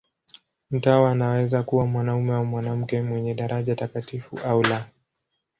Mtawa anaweza kuwa mwanamume au mwanamke, mwenye daraja takatifu au la.